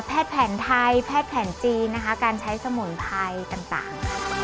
แผนไทยแพทย์แผนจีนนะคะการใช้สมุนไพรต่าง